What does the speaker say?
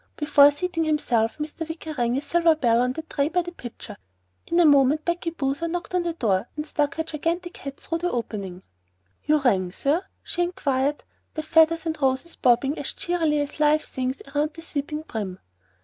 Before seating himself Mr. Wicker rang a silver bell on the tray by the pitcher. In a moment Becky Boozer knocked on the door and stuck her gigantic hat through the opening. "You rang, sir?" she inquired, the feathers and roses bobbing as cheerily as live things around the sweeping brim.